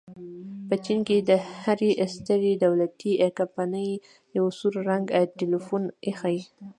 په چین کې د هرې سترې دولتي کمپنۍ یو سور رنګه ټیلیفون ایښی.